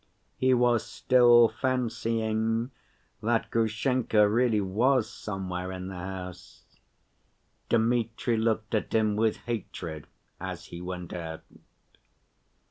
He was still fancying that Grushenka really was somewhere in the house. Dmitri looked at him with hatred as he went out.